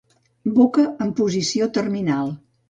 Boca en posició terminal.